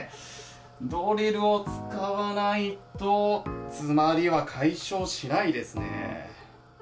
ドリルを使わないと、詰まりは解消しないですね。